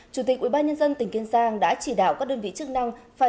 chủ tịch ubnd tỉnh kiên giang đã chỉ đạo các đơn vị chức năng